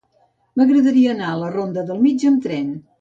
M'agradaria anar a la ronda del Mig amb tren.